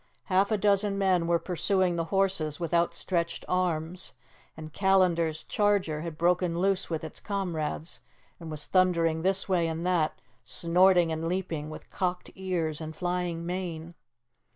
Half a dozen men were pursuing the horses with outstretched arms, and Callandar's charger had broken loose with its comrades, and was thundering this way and that, snorting and leaping, with cocked ears and flying mane.